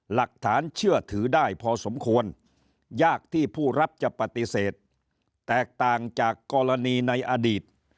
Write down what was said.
หลักฐานเชื่อถือได้พอสมควรยากที่ผู้รับจะปฏิเสธแตกต่างจากกรณีในอดีต